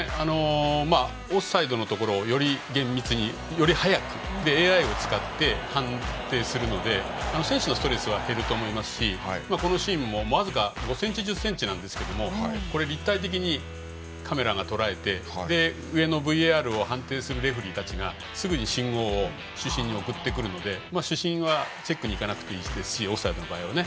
オフサイドのところをより厳密により早く、ＡＩを使って判定するので選手のストレスは減ると思いますしこのシーンも僅か５ｃｍ、１０ｃｍなんですがこれ、立体的にカメラがとらえてＶＡＲを判定するレフリーたちがすぐに信号を主審に送ってくるので主審はチェックに行かなくていいですしオフサイドの場合はね。